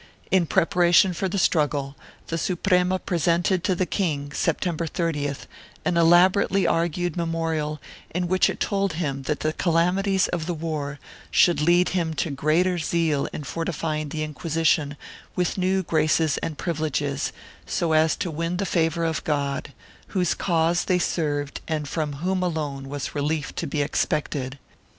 In preparation for the struggle, the Suprema presented to the king, September 30thr an elaborately argued memorial in which it told him that the calamities of the war should lead him to greater zeal in fortifying the Inquisition with new graces and privileges, so as to win the favor of God, whose cause they served and from whom alone was relief to be expected.